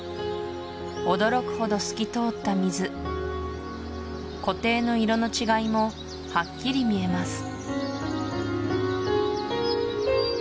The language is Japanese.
驚くほど透き通った水湖底の色の違いもはっきり見えます